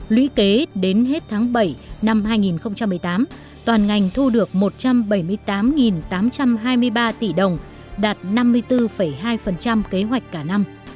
lũy kế đến hết tháng bảy năm hai nghìn một mươi tám toàn ngành thu được một trăm bảy mươi tám tám trăm hai mươi ba tỷ đồng đạt năm mươi bốn hai kế hoạch cả năm